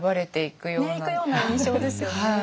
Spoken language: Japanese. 行くような印象ですよね。